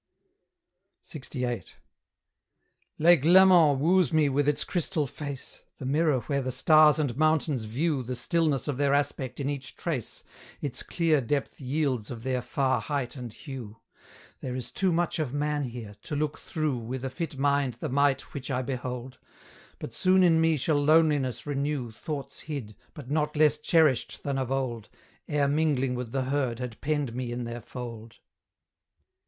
LXVIII. Lake Leman woos me with its crystal face, The mirror where the stars and mountains view The stillness of their aspect in each trace Its clear depth yields of their far height and hue: There is too much of man here, to look through With a fit mind the might which I behold; But soon in me shall Loneliness renew Thoughts hid, but not less cherished than of old, Ere mingling with the herd had penned me in their fold.